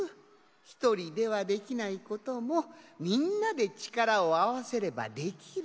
ひとりではできないこともみんなでちからをあわせればできる。